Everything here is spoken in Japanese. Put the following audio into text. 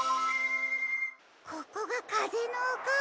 ここがかぜのおか。